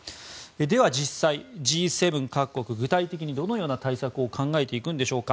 では実際、Ｇ７各国具体的にどのような対策を考えていくんでしょうか。